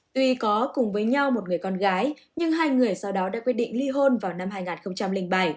tuy có cùng với nhau một người con gái nhưng hai người sau đó đã quyết định ly hôn vào năm hai nghìn bảy